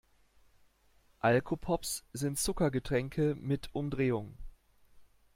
Alkopops sind Zuckergetränke mit Umdrehung.